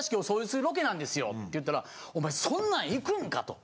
なんですよって言ったらお前そんなん行くんかと。